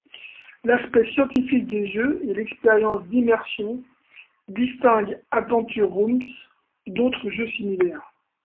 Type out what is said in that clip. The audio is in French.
L'aspect scientifique des jeux et l'expérience d'immersion distingue AdventureRooms d'autre jeux similaires.